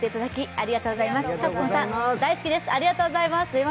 ありがとうございます。